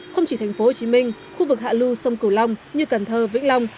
không chỉ tp hcm khu vực hạ lưu sông cửu long như cần thơ vĩnh long